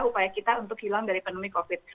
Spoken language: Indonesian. upaya kita untuk hilang dari pandemi covid